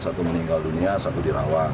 satu meninggal dunia satu dirawat